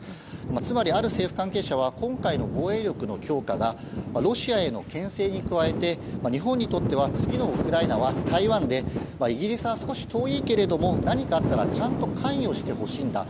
つまり、ある政府関係者は今回の防衛力の強化がロシアへの牽制に加えて日本にとっては次のウクライナは台湾でイギリスは少し遠いけれども何かあったらちゃんと関与してほしいんだと。